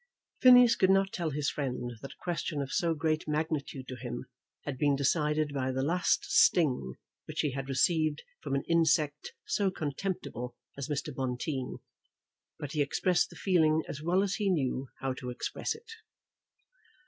Phineas could not tell his friend that a question of so great magnitude to him had been decided by the last sting which he had received from an insect so contemptible as Mr. Bonteen, but he expressed the feeling as well as he knew how to express it.